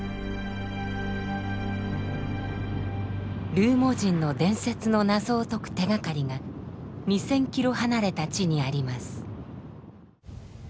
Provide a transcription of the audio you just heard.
ルーモ人の伝説の謎を解く手がかりが２，０００ｋｍ離れた地にあります。